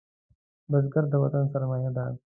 بزګر د وطن سرمايه ده